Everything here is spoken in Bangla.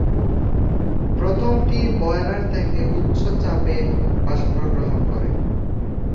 প্রথমটি বয়লার থেকে উচ্চ চাপে বাষ্প গ্রহণ করে।